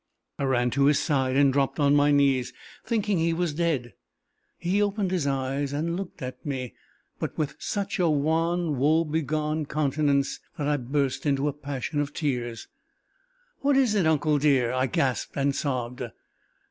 I ran to his side and dropped on my knees, thinking he was dead. He opened his eyes and looked at me, but with such a wan, woe begone countenance, that I burst into a passion of tears. "What is it, uncle dear?" I gasped and sobbed.